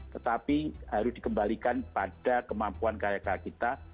tetapi harus dikembalikan pada kemampuan karya karya kita